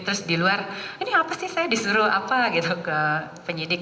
terus di luar ini apa sih saya disuruh apa gitu ke penyidik